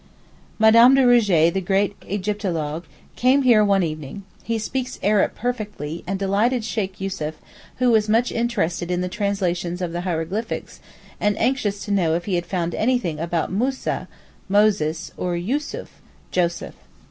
M. de Rougé, the great Egyptologue, came here one evening; he speaks Arabic perfectly, and delighted Sheykh Yussuf, who was much interested in the translations of the hieroglyphics and anxious to know if he had found anything about Moussa (Moses) or Yussuf (Joseph).